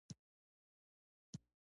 پیاله د ارامۍ احساس راولي.